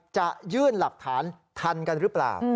จะยื่นหลักฐานทันกันหรือเปล่า